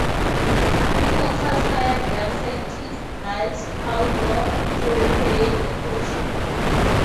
Immortus hired young scientist Niles Caulder to recreate the potion.